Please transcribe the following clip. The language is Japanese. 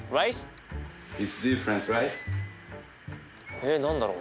えっ何だろう？